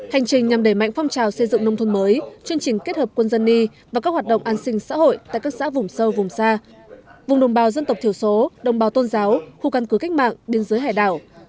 hành trình nhằm đẩy mạnh phong trào xây dựng nông thôn mới chương trình kết hợp quân dân y và các hoạt động an sinh xã hội tại các xã vùng sâu vùng xa vùng đồng bào dân tộc thiểu số đồng bào tôn giáo khu căn cứ cách mạng biên giới hải đảo